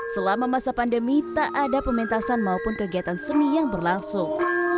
selama masa pandemi tak ada pementasan maupun kegiatan seni yang berlangsung